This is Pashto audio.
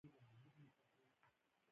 تعلیم نجونو ته د ورورګلوۍ درس ورکوي.